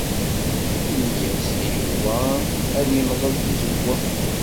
Ini-as i Yuba ad yemdel tizewwa.